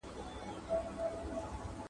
هر بنده، خپل ئې عمل.